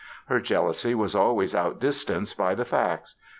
Her jealousy was always outdistanced by the facts.